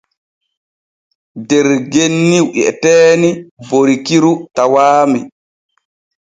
Der genni wi'eteeni Borikiru tawaami.